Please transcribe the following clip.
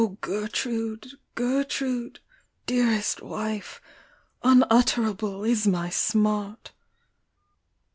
Gertrude, Gertrude ! dearest wife ! Unutterable is my smart.